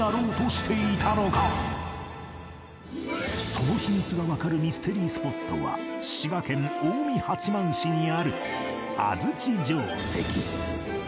その秘密がわかるミステリースポットは滋賀県近江八幡市にある安土城跡